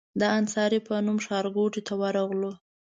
د انصاري په نوم ښارګوټي ته ورغلو.